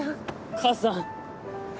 母さん！